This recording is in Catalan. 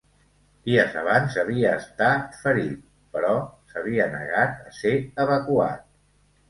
Dies abans havia estat ferit, però s'havia negat a ser evacuat.